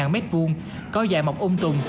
hai m hai có dài mọc ôm tùng